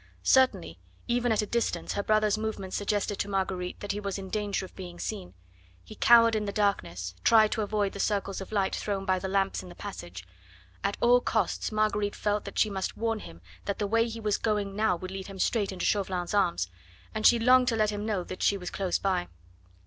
Certainly, even at a distance, her brother's movements suggested to Marguerite that he was in danger of being seen. He cowered in the darkness, tried to avoid the circles of light thrown by the lamps in the passage. At all costs Marguerite felt that she must warn him that the way he was going now would lead him straight into Chauvelin's arms, and she longed to let him know that she was close by.